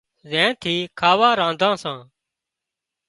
زين ٿِي کاوا رانڌان سان